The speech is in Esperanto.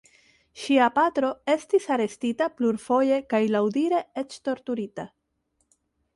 Ŝia patro estis arestita plurfoje kaj laŭdire eĉ torturita.